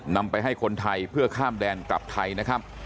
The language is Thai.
นำไปให้คนไทยเพื่อข้ามแดนกลับไทยนะครับ